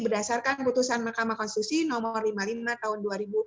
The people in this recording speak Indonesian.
berdasarkan putusan mahkamah konstitusi nomor lima puluh lima tahun dua ribu dua puluh